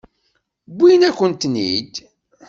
Wwin-akent-ten-id.